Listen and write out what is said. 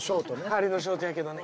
あれのショートやけどね。